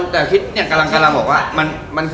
แต่คิดอย่างกำลังกำลังบอกว่า